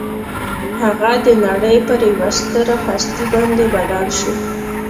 هغه د نړۍ پر یوه ستره هستي باندې بدل شو